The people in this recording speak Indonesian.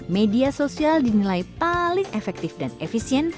media sosial dinilai paling efektif dan efisien